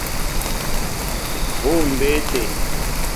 Huu mbé te.